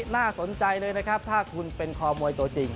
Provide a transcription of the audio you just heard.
น่าสนใจเลยนะครับถ้าคุณเป็นคอมวยตัวจริง